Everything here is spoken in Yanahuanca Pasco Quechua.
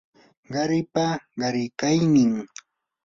qaripa qarikaynin